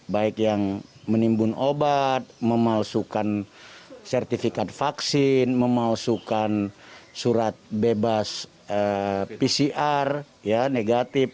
baik yang menimbun obat memalsukan sertifikat vaksin memalsukan surat bebas pcr negatif